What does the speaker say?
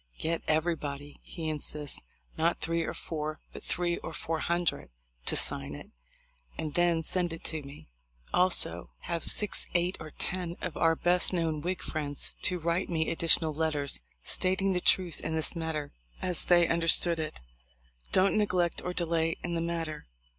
"Get everybody," he insists, "(not three or four, but three or four hundred) to sign it, and then send to me. Also have six, eight, or ten of our best known Whig friends to write me additional letters, stating the truth in this matter as they un derstood it. Don't neglect or delay in the matter.